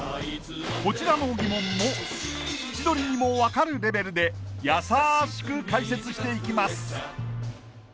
こちらの疑問も千鳥にも分かるレベルでやさしく解説していきます